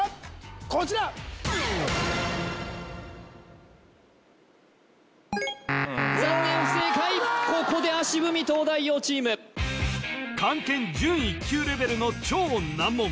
こちら残念不正解ここで足踏み東大王チーム漢検準１級レベルの超難問